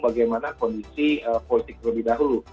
bagaimana kondisi politik lebih dahulu